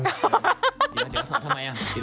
เดี๋ยวทำไม